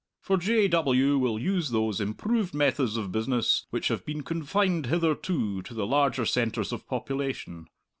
For J. W. will use those improved methods of business which have been confined hitherto to the larger centres of population.